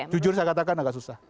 jujur saya katakan agak susah